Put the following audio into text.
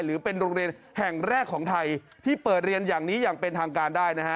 หรือเป็นโรงเรียนแห่งแรกของไทยที่เปิดเรียนอย่างนี้อย่างเป็นทางการได้นะฮะ